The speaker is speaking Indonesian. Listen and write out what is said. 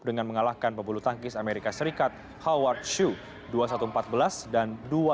dengan mengalahkan pebulu tangkis amerika serikat howard shue dua ribu satu ratus empat belas dan dua ribu satu ratus sepuluh